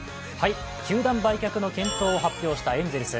球団売却の検討を発表したエンゼルス。